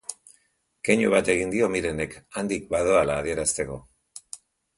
Keinu bat egin dio Mirenek, handik badoala adierazteko.